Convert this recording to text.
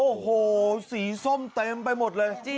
โอ้โหสีส้มเต็มไปหมดเลย